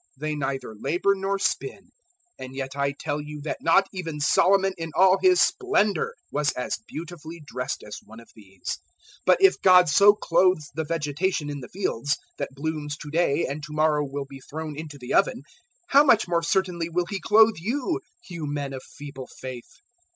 They neither labour nor spin. And yet I tell you that not even Solomon in all his splendour was as beautifully dressed as one of these. 012:028 But if God so clothes the vegetation in the fields, that blooms to day and to morrow will be thrown into the oven, how much more certainly will He clothe you, you men of feeble faith!